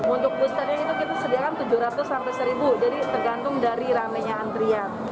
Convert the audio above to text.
untuk boosternya itu kita sediakan tujuh ratus sampai seribu jadi tergantung dari rame nya antrian